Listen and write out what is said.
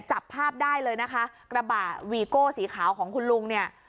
จับภาพได้เลยนะคะกระบะวีโก้สีขาวของคุณลุงเนี่ย